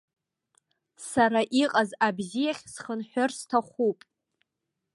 Сара иҟаз абзиахь схынҳәыр сҭахуп.